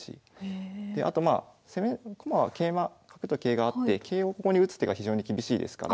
であとまあ攻め駒は桂馬角と桂があって桂をここに打つ手が非常に厳しいですから。